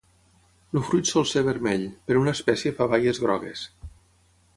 El fruit sol ser vermell, però una espècie fa baies grogues.